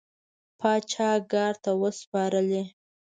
پاچا ګارد ته وسپارلې.